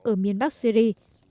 ở miền bắc syri